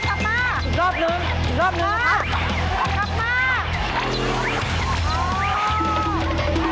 ไม่นอกจากเร็วแล้วนะแบบนี้ข้อขาไม่ต้องดีเลยนะ